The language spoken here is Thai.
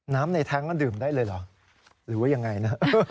น้ำในแท็งค์ก็ดื่มได้เลยหรือว่าอย่างไรนะ